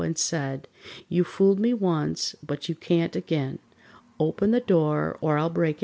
and said: "You fooled me once, but you can't ag'in; Open the door or I'll break it in!"